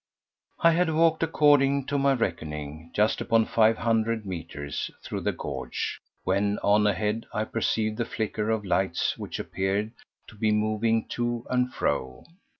I had walked, according to my reckoning, just upon five hundred metres through the gorge, when on ahead I perceived the flicker of lights which appeared to be moving to and fro.